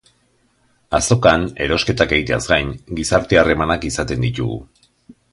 Azokan, erosketak egiteaz gain, gizarte harremanak izaten ditugu